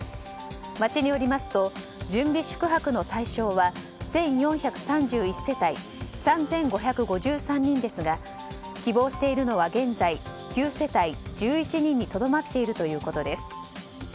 町によりますと準備宿泊の対象は１４３１世帯３５５３人ですが希望しているのは現在９世帯１１人にとどまっているということです。